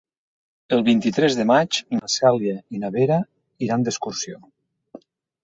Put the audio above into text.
El vint-i-tres de maig na Cèlia i na Vera iran d'excursió.